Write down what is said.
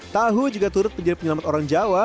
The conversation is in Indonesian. tahu juga turut menjadi penyelamat orang jawa